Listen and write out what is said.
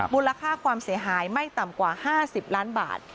มูลค่าความเสียหายไม่ต่ำกว่า๕๐ล้านบาท